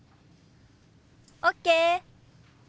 ＯＫ！